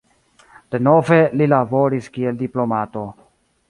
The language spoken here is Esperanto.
Denove li laboris kiel diplomato.